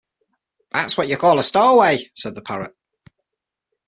“That’s what you call a ‘stowaway,’” said the parrot.